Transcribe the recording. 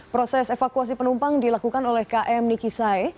proses evakuasi penumpang dilakukan oleh km nikisae